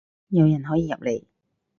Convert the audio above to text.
有人可以入嚟